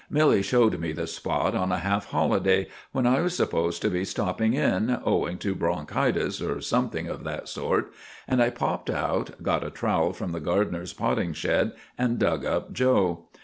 Milly showed me the spot on a half holiday, when I was supposed to be stopping in, owing to bronchitis or something of that sort; and I popped out, got a trowel from the gardener's potting shed, and dug up 'Joe.